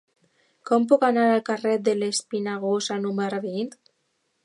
Com puc anar al carrer de l'Espinagosa número vint?